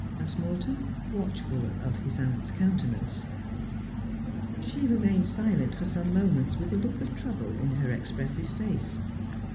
' asked Morton, watchful of his aunt's countenance. She remained silent for some moments, with a look of trouble in her expressive face.